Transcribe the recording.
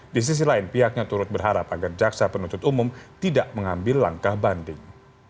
di sisi lain pihaknya turut berharap agar jaksa penuntut umum tidak mengambil langkah banding